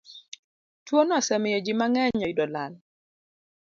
Twono osemiyo ji mang'eny oyudo lal.